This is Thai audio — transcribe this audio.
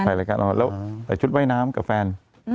ไปถ่ายรายการแล้วชุดว่ายน้ำกับแฟน